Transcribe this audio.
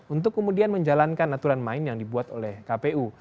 untuk kemudian menjalankan aturan main yang dibuat oleh kpu